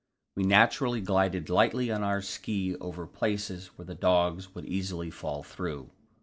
We naturally glided lightly on our ski over places where the dogs would easily fall through.